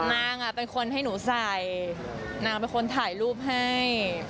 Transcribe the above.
นางเป็นคนให้หนูใส่นางเป็นคนถ่ายรูปให้